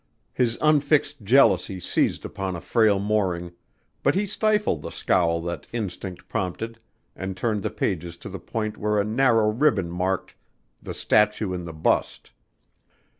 His unfixed jealousy seized upon a frail mooring but he stifled the scowl that instinct prompted and turned the pages to the point where a narrow ribbon marked "The Statue and the Bust."